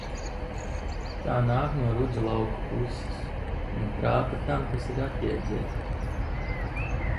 Tā nāk no rudzu lauku puses un trāpa tam, kas ir atjēdzies.